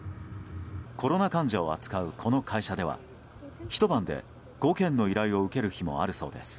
コロナ患者を扱うこの会社ではひと晩で５件の依頼を受ける日もあるそうです。